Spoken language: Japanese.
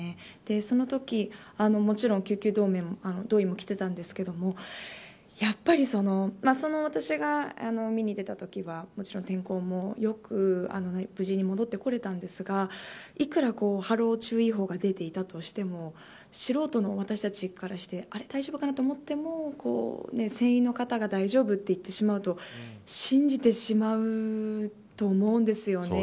そのとき、もちろん救命胴衣も着ていたんですが私が見ていたときはもちろん天候も良く無事に戻ってこれたんですがいくら波浪注意報が出ていたとしても素人の私たちからしてあれ、大丈夫かな、と思っても船員の方が大丈夫と言ってしまうと信じてしまうと思うんですよね。